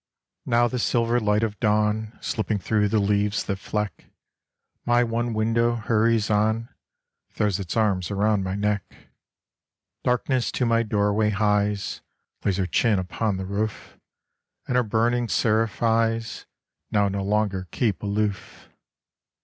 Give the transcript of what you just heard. Now the silver light of dawn Slipping through the leaves that fleck My one window, hurries on, Throws its arms around my neck. Darkness to my doorway hies, Lays her chin upon the roof, And her burning seraph eyes Now no longer keep aloof.